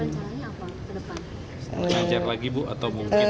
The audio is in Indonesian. menajar lagi bu atau mungkin